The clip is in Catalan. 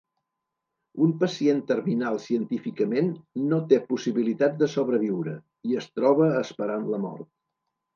Un pacient terminal científicament no té possibilitats de sobreviure, i es troba esperant la mort.